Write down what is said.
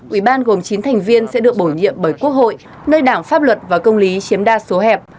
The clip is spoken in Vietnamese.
ủy ban gồm chín thành viên sẽ được bổ nhiệm bởi quốc hội nơi đảng pháp luật và công lý chiếm đa số hẹp